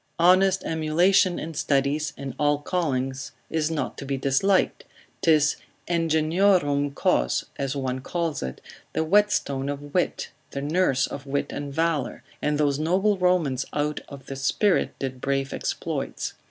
Honest emulation in studies, in all callings is not to be disliked, 'tis ingeniorum cos, as one calls it, the whetstone of wit, the nurse of wit and valour, and those noble Romans out of this spirit did brave exploits.